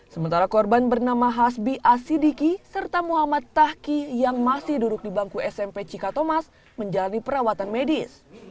sementara korban bernama hasbi asidiki serta muhammad tahki yang masih duduk di bangku smp cikatomas menjalani perawatan medis